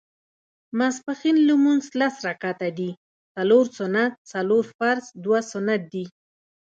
ماسپښېن لمونځ لس رکعته دی څلور سنت څلور فرض دوه سنت دي